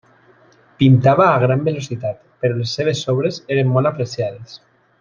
Pintava a gran velocitat, però les seves obres eren molt apreciades.